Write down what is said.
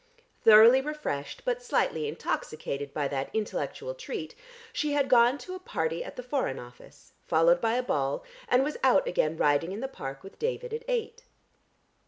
Thoroughly refreshed but slightly intoxicated by that intellectual treat she had gone to a party at the Foreign Office, followed by a ball, and was out again riding in the Park with David at eight.